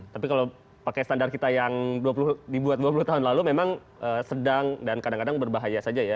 tapi kalau pakai standar kita yang dibuat dua puluh tahun lalu memang sedang dan kadang kadang berbahaya saja ya